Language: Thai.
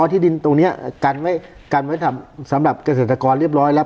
ที่ดินตรงนี้กันไว้กันไว้ทำสำหรับเกษตรกรเรียบร้อยแล้ว